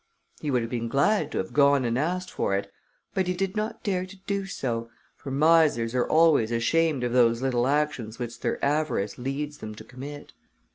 He would have been glad to have gone and asked for it, but he did not dare to do so, for misers are always ashamed of those actions which their avarice leads them to commit.